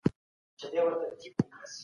کتابونه باید د شهرت لپاره ونه لیکل سی.